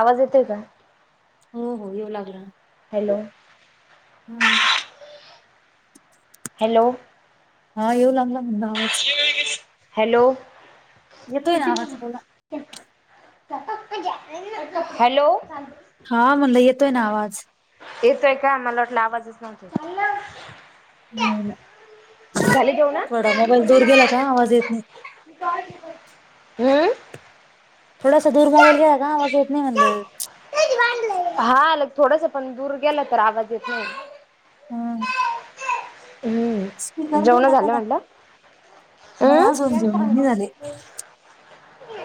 आवाज येतोय का? हो हो येऊ लागला हॅलो हम्म हॅलो हा येऊ लागला तूमचा आवाज हॅलो येतोय ना आवाज बोला हॅलो हा म्हणंल येतोय ना आवाज येतोय का मला वाटला आवाजच न्हवता येत नाही ना, झाली जेवण? थोडा मोबाईल दूर गेला का आवाज येत नाही अमम्मं थोडासा दूर मोबाईल गेला का आवाज येत नाही म्हणलं हा ल थोडसं पण दूर गेलं तर आवाज येत नाही हम हम्म स्पीकर नाही जेवण ना झालं त्याला म्हटलं नाही अं अजून जेवण नाही झाले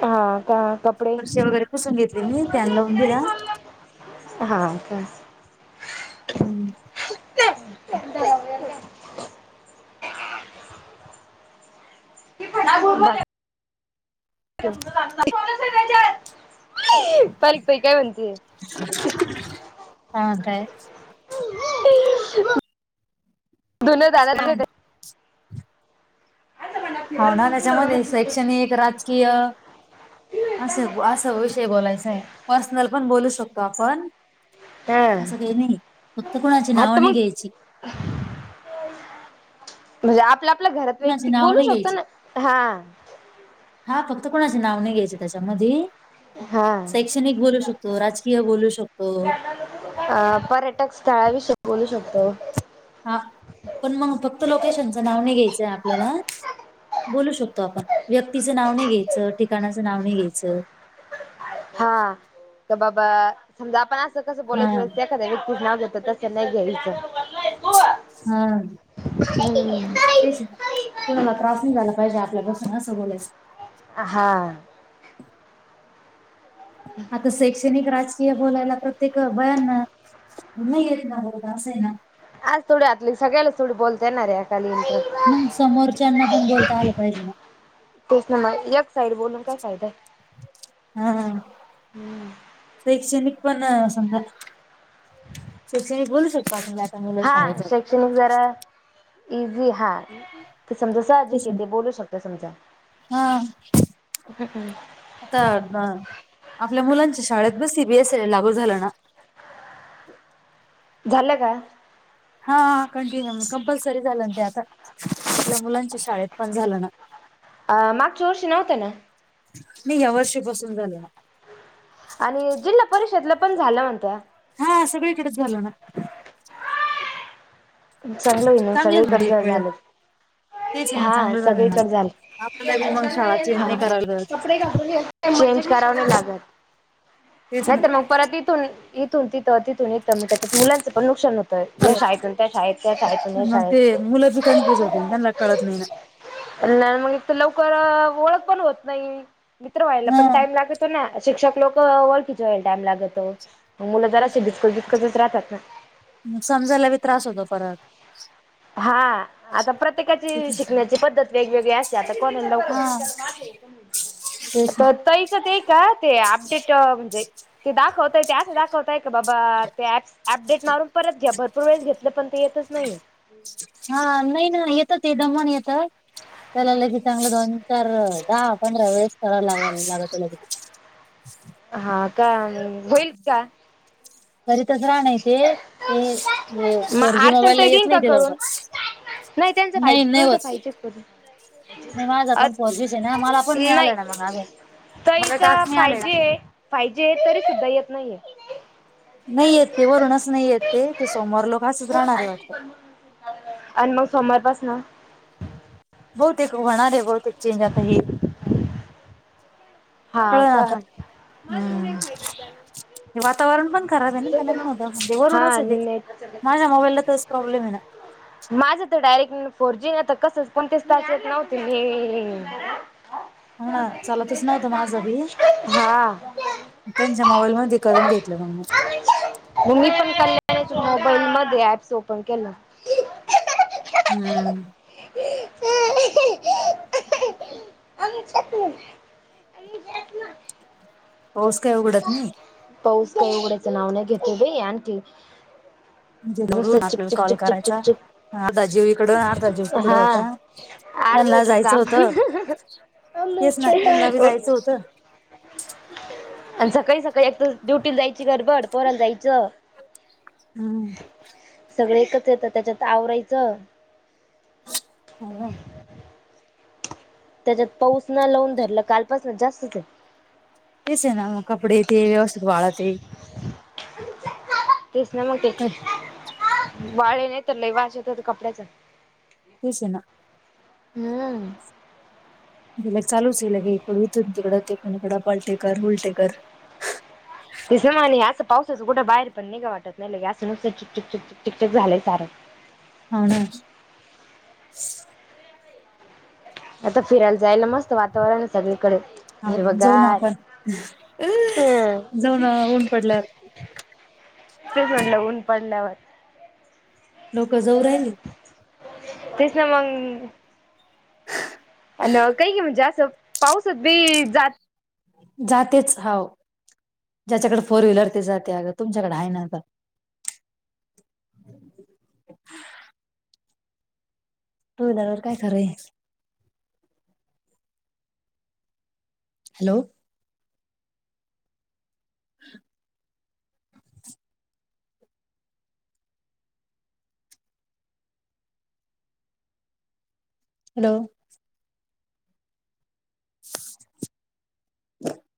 हा का कपडे फरशी वगैरे पुसून घेतली मी, फॅन लावून दिला. हा का हम्म बाय [unintelligible] काय म्हणताय? धून झालं [unintelligible] हाव ना त्याच्यामध्ये शैक्षणिक, राजकीय असं बो असं विषय बोलायचं हाय, पर्सनल पण बोलू शकतो आपण हा सगळी नाही, फक्त कुणाची हा नाव तर नाही मग घ्यायची. म्हणजे आपल्या, आपल्या घरात कुणाची वैयक्तिक नावं बोलू नाही शकतो घ्यायची ना. हा हा फक्त कोणाचे नाव नाही घ्यायच त्याच्यामधी हा शैक्षणिक बोलू शकतो, राजकीय बोलू शकतो. अ पर्यटक स्थळाविषयक बोलू शकतो. हा, पण मग फक्त लोकेशनच नाव नाही घ्यायचंय आपल्याला बोलू शकतो आपण, व्यक्तीचं नाव नाही घ्यायचं ठिकाणाच नाव नाही घ्यायच हा, तर बाबा समजा आपण असं कसं हा बोलायच त्या एखाद्या व्यक्तीच नाव घेतो तस नाही घ्यायचं हां हमम्मं तेच ना कुणाला त्रास नाही झाला पाहिजे आपल्यापासून असं बोलायचं. हा. आता शैक्षणिक राज कीय बोलायला प्रत्येक बायांना नाही येत ना बोलता असं आहे ना. आस थोडी आतली सगळ्याच थोडी बोलता येणार आहे [unintelligible] मंग समोरच्यांना पण बोलता आलं पाहिजे ना तेच ना मग एक साईड बोलून काय फायदा आहे. हा हा शैक्षणिक पण समजा शैक्षणिक बोलू शकतो आपण यात हा शैक्षणिक जरा इझी हा ते समजा तेच साहजिक ना आहे ते बोलू शकता समजा, हा हो की नाय. आता अह आपल्या मुलांच्या शाळेत B C B S E लागू झाल ना झालं का? हा कंटिन्यू कंपल्सरी झालं ना ते आता आपल्या मुलांच्या शाळेत पण झालं ना अह मागच्या वर्षी नव्हतं ना नाही या वर्षीपासुन झालं आणि जिल्हा परिषदला पण झालं म्हणत्या हा सगळीकडेच झाल ना चांगल आहे ना चांगलं सगळीकडज एक वेळेस झालं, तेच आहे ना हां चांगलं झालं ना सगळीकडे आपल्याला बी मग शाळा झालं [unintelligible] चेंज नाही हां करावी लागत चेंज कराव नाही लागत. तेच ना. नाहीतर मग परत तिथून इथून तिथं तिथून इथं मग त्याच्यात मुलांचं पण नुकसान होतं या शाळेतून शाळेच्या शाळेतुन मग ते शाळेत मुलं बी कन्फ्युज होते ना त्यांना कळत नाही ना नाय मग तर लवकर ओळख पण होत नाही मित्र व्हायला हा पण टाइम लागतो ना, शिक्षक लोक ओळखीच व्हायला टाइम लागतो. मग मुलं जरासी भिचकत भिचकतच राहतात ना म समजायला बी त्रास होतो परत. हा. आता प्रत्येकाची शिकण्याची पद्धत वेगवेगळी असते आता कोणाला लवकर हा तेच ना त्याच ते का ते अपटेट म्हणजे ते दाखवत ते अस दाखवताय का बाबा ते ऍप्स अपडेट मारून परत घ्या भरपूर वेळेस घेतलं पण ते येतच नाही हा नाही ना येत ते दमण येत त्याला लगेच चांगलं दोन चार दहा पंधरा वेळेस करा लाग लागवत लगेच हा का मग होईल का तरी तच राह नाही ते ही मग फोर जी अर्चना मोबाईल ला ताई येत देईन नाही का ते करून? लवकर नाही त्यांच नाही [unintelligible] होत ते पाहियजेच कर नाही माझा पण फोर जीच आहे ना मला पण नाही [unintelligible] मला टास्क नाय आलेलं. फाय जी आहे तरी सुद्धा येत नाहीये नाही येत ते वरूनच नाही येत ते ते सोमवार लोक असंच राहणारे वाटतं आणि मग सोमवारपासन बहुत होणार आहे बहुत चेंज आता हे हा कळ ना का. आता हम्म हे वातावरण पण खराब आहे ना त्यांना पण होत वरूनच हा आहे ते नेट माझ्या मोबाईलला तोच प्रॉब्लेम आहे ना माझं तर डायरेक्ट फोर जी आहे तर कसच कोणतीच टास्क येत नव्हती मी हो ना चालतच नव्हतं माझं बी हा. त्यांच्या मोबाईलमध्ये करून घेतलं म मी. मी पण कल्या मोबाईलमध्ये ऍप्स ओपन केलं. हम्म. [unintelligible] [unintelligible] पाऊस काय उघडत नाही. पाऊस काय उघडायच नाव नाही घेतो बाई आणखी म्हणजे नुसतं घरून चीप आपल्याला चीप कॉल चीप चीप करायचा. चीप. अर्धा जीव इकडं अर्धा जीव तिकडं हा होता. आर्ध त्यांना तर जायचं काम [unintelligible] होतं तेच ना त्यांना बी [unintelligible] जायचं होतं आणि सकाळी सकाळी एकत ड्युटीला जायची गडबड, पोराला जायचं हम्म. सगळे एकच येत त्याच्यात आवरायचं हा. त्याच्यात पाऊस न लावून धरलं कालपासन जास्तच ये. तेच आहे ना मग, कपडे ते व्यवस्थित वाळते तेच ना मग, ते काय वाळे नाही तर लई वास येतो, त्या कपड्याचा. तेच ना. हम्म. चालूच आहे चे लगे इथून तिकडं, तिथून इकडं, पलटे कर, उलटे कर तसं म्हणे असं पावसाचं कुठं बाहेर पण नाही जाऊ वाटत ना लगे असं नुसत, चिक चिक चिक चिक टिक टिक झालंय सारं. हाव ना. आता फिरायला जायला मस्त वातावरण आहे सगळीकडे. हा जाऊ ना हिरवगार आपण हम्म जाऊ ना ऊन पडल्यावर. तेच म्हणलं ऊन पडल्यावर. लोक जाऊ राहिले. तेच ना मंग अन् काही गे म्हणजे असं पाऊसत बी जात जातेच हाव, ज्याच्याकडे फोर व्हीलर ते जाते. अगं तुमच्याकडे हाय ना आता. [unintelligible] हॅलो. हॅलो. [inaudible]